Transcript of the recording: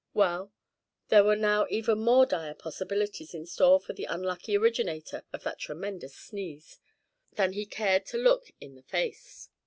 Well, there were now even more dire possibilities in store for the unlucky originator of that tremendous sneeze, than he cared to look in the face.